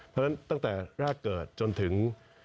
เพราะฉะนั้นตั้งแต่แรกเกิดจนถึง